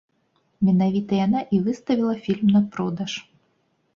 Менавіта яна і выставіла фільм на продаж.